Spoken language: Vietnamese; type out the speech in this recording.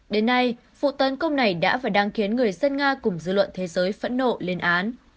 đến nay vụ tấn công này đã và đang khiến người dân nga cùng dư luận thế giới phẫn nộ lên án